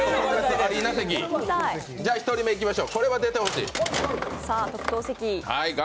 １人目いきましょう。